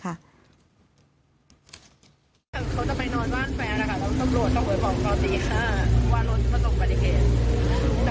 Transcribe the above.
เขาจะไปนอนบ้านแฟนนะคะแล้วสบรวจเขาเลยบอกตอนที่๕ว่าโดนอุปติเหตุ